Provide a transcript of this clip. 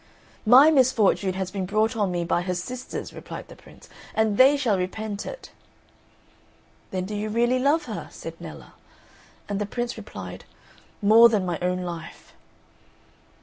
"My misfortune has been brought on me by her sisters," replied the Prince, "and they shall repent it." "Then do you really love her?" said Nella. And the Prince replied, "More than my own life."